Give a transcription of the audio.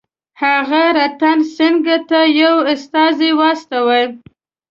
هغه رتن سینګه ته یو استازی واستاوه.